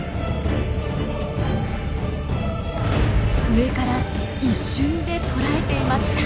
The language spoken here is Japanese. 上から一瞬で捕らえていました。